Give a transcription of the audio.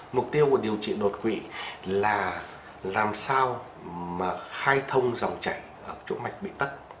mục tiêu của điều trị đột quỵ là làm sao mà khai thông dòng chảy ở chỗ mạch bị tất